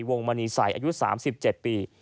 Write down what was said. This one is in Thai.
วงมณีใสอายุ๓๗ปี